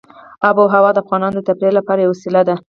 آب وهوا د افغانانو د تفریح لپاره یوه وسیله ده.